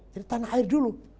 jadi tanah air dulu